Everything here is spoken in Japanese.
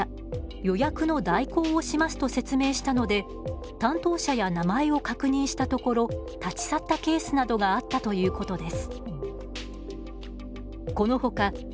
予約の代行をします」と説明したので担当者や名前を確認したところ立ち去ったケースなどがあったということです。